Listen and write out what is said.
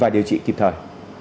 điều trị kịp thời